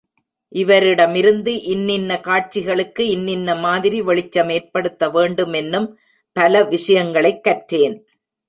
இவரிடமிருந்து இன்னின்ன காட்சிகளுக்கு இன்னின்ன மாதிரி வெளிச்சம் ஏற்படுத்த வேண்டுமென்னும் பல விஷயங்களைக் கற்றேன்.